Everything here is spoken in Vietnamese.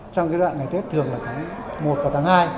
trong cái đoạn ngày tết thường là tháng một và tháng hai